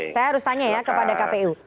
saya harus tanya ya kepada kpu